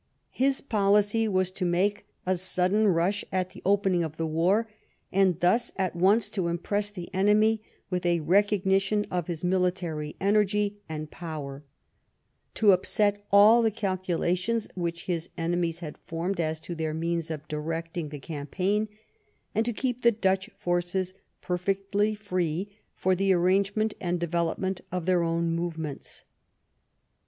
His policy was to make a sudden rush at the opening of the war, and thus at once to impress the enemy with a recognition of his military energy and power, to upset all the calculations which his enemies had formed as to their means of directing the cam paign, and to keep the Dutch forces perfectly free for the arrangement and development of their own move ments.